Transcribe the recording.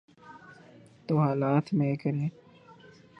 تو حالات میں کریں۔